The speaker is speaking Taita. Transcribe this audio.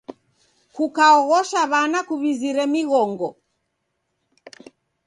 Kukaoghosha w'ana kuw'izire mighongo.